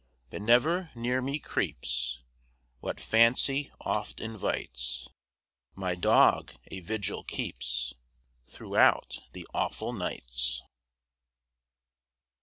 But never near me creeps What fancy oft invites. My dog a vigil keeps Throughout the awful nights.